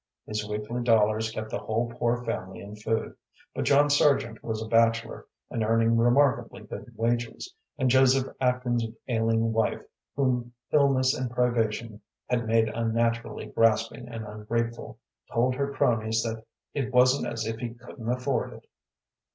His weekly dollars kept the whole poor family in food. But John Sargent was a bachelor, and earning remarkably good wages, and Joseph Atkins's ailing wife, whom illness and privation had made unnaturally grasping and ungrateful, told her cronies that it wasn't as if he couldn't afford it.